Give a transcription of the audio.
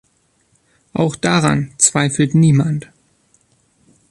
Auch daran zweifelt niemand.